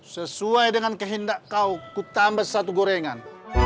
sesuai dengan kehendak kau ku tambah satu gorengan